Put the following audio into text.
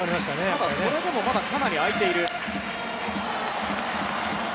ただ、それでもかなり空いています。